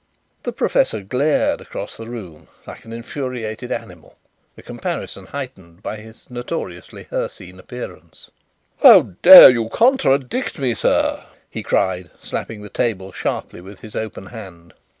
The professor glared across the room like an infuriated animal, a comparison heightened by his notoriously hircine appearance. "How dare you contradict me, sir!" he cried, slapping the table sharply with his open hand.